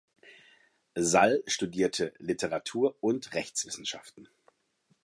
Sall studierte Literatur und Rechtswissenschaften.